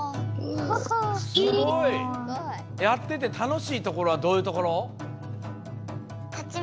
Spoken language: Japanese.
すごい！やっててたのしいところはどういうところ？